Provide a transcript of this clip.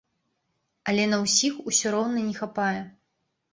Але на ўсіх усё роўна не хапае!